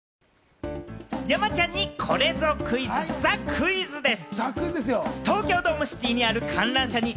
山ちゃんにこれぞクイズ、ザ・クイズです！